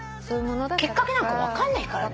きっかけなんか分かんないから。